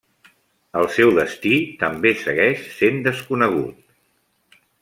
El seu destí també segueix sent desconegut.